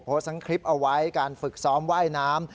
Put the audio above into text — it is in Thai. ทั้งคลิปเอาไว้การฝึกซ้อมว่ายน้ำ